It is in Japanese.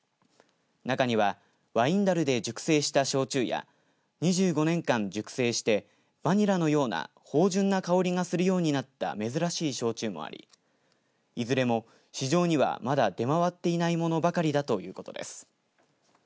中にはワイン樽で熟成した焼酎や２５年間熟成してバニラのような芳じゅんな香りがするようになった珍しい焼酎もありいずれも市場にはまだ出回っていないものばかりだということです。